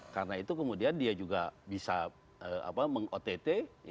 karena itu kemudian dia juga bisa meng ott